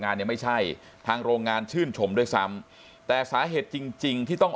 ยังไม่ใช่ทางโรงงานชื่นชมด้วยซ้ำแต่สาเหตุจริงจริงที่ต้อง